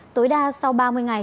tối đa sau ba mươi ngày